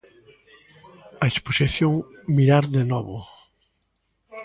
A exposición "Mirar de novo".